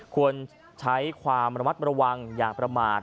ควรใช้ความระมัดระวังอย่างประมาท